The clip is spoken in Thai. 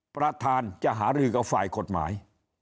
ประธานจะหารือกับฝ่ายกฎหมาย